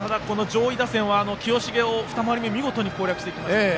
先程、ただ上位打線は清重を二回り目、見事に攻略しました。